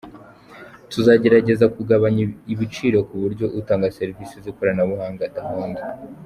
Tuzagerageza kugabanya ibiciro ku buryo utanga serivisi z’ikoranabuhanga adahomba.